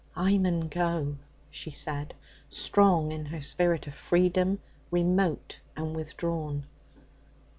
'I mun go,' she said, strong in her spirit of freedom, remote and withdrawn.